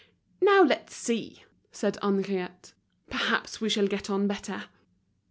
"Now, let's see," said Henriette, "perhaps we shall get on better."